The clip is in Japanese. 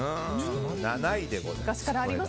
７位でございます。